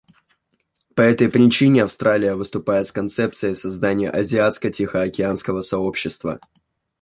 По этой причине Австралия выступает с концепцией создания Азиатско-Тихоокеанского сообщества.